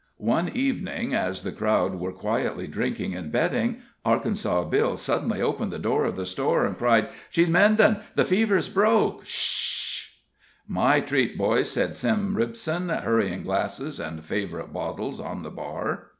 One evening, as the crowd were quietly drinking and betting, Arkansas Bill suddenly opened the door of the store, and cried: "She's mendin'! The fever's broke 'sh h!" "My treat, boys," said Sim Ripson, hurrying glasses and favorite bottles on the bar.